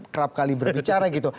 kerap kali berbicara gitu